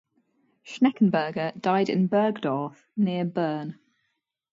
Schneckenburger died in Burgdorf near Bern.